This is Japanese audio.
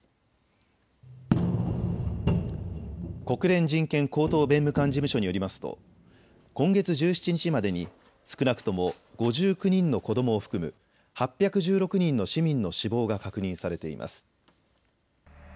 国連人権高等弁務官事務所によりますと今月１７日までに、少なくとも５９人の子どもを含む、８１６人の市民の死亡が確認されています。